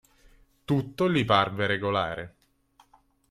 Tutto gli parve regolare.